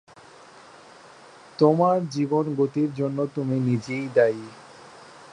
তোমার জীবন-গতির জন্য তুমি নিজেই দায়ী।